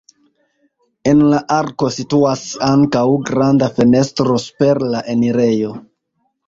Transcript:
En la arko situas ankaŭ granda fenestro super la enirejo.